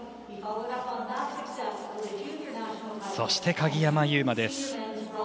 そして鍵山優真です。